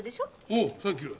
おっサンキュー。